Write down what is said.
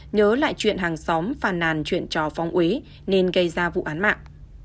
nhớ lại chuyện hàng xóm phàn nàn chuyện chó phóng uế nên gây ra vụ án mạng